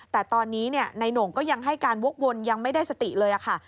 แต่ตอนนี้นายโหน่งก็ยังให้การวกวนยังไม่ได้สติเลยค่ะ